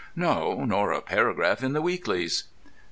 "No, nor a paragraph in the weeklies."